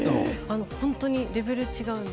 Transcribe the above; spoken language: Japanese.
本当にレベル違うんです。